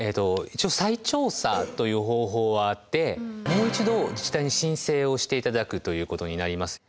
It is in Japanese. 一応再調査という方法はあってもう一度自治体に申請をして頂くということになります。